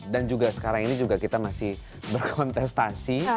dan juga sekarang ini juga kita masih berkontestasi